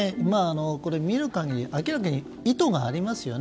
見る限り明らかに意図がありますよね。